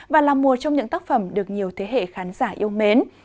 và là một trong những tác phẩm được nhiều thế hệ khán giả yêu mến